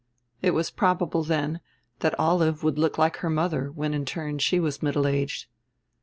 It was probable, then, that Olive would look like her mother when in turn she was middle aged.